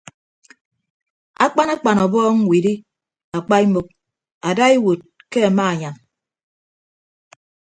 Akpan akpan ọbọọñ widdie apaimuk adaiwuod ke amaanyam.